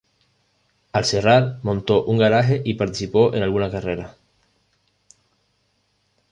Al cerrar, montó un garaje y participó en alguna carrera.